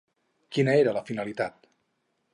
Quina era la finalitat?